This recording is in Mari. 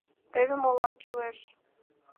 Теве молан кӱлеш: